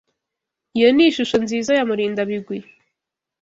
Iyo ni ishusho nziza ya Murindabigwi.